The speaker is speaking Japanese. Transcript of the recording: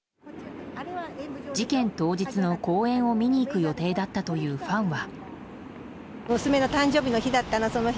事件当日の公演を見に行く予定だったというファンは。